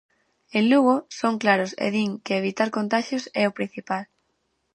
En Lugo, son claros e din que evitar contaxios é o principal.